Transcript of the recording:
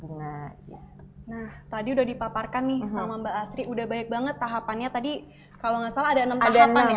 nah tadi udah dipaparkan nih sama mbak asri udah banyak banget tahapannya tadi kalau nggak salah ada enam tahapan ya